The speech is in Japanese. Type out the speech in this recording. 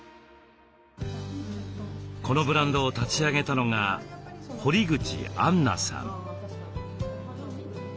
このブランドを立ち上げたのが堀口安奈さん。